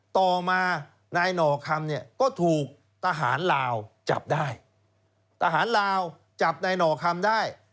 ต่อมานายหน่อคำเนี่ยก็ถูกทหารลาวจับได้ทหารลาวจับนายหน่อคำได้